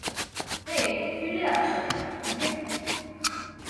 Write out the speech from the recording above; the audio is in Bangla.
হেই, ফিরে আসো, ওকে?